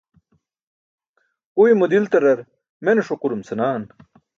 Uymo diltarar mene ṣuqurum senan